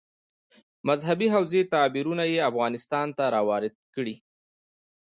مذهبي حوزې تعبیرونه یې افغانستان ته راوارد کړي.